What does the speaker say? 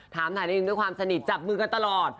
ถามถ่ายเองด้วยความสนิทจับมือกันตลอด